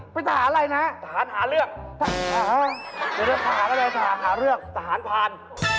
เป็นทหารอะไรนะคานหาเลือกคานพาน